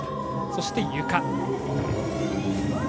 そして、ゆか。